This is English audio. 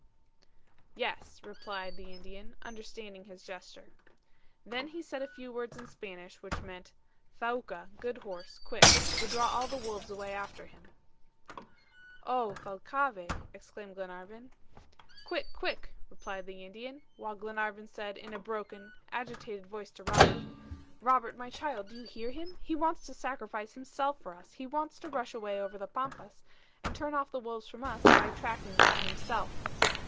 "Yes," replied the Indian, understanding his gesture. Then he said a few words in Spanish, which meant: "Thaouka; good horse; quick; will draw all the wolves away after him." "Oh, Thalcave," exclaimed Glenarvan. "Quick, quick!" replied the Indian, while Glenarvan said, in a broken, agitated voice to Robert: "Robert, my child, do you hear him? He wants to sacrifice himself for us. He wants to rush away over the Pampas, and turn off the wolves from us by attracting them to himself."